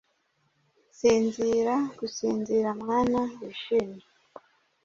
Sinzira gusinzira mwana wishimye,